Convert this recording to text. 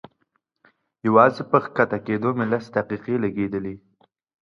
يوازې په کښته کېدو مې لس دقيقې لګېدلې.